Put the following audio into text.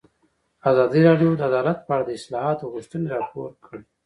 ازادي راډیو د عدالت په اړه د اصلاحاتو غوښتنې راپور کړې.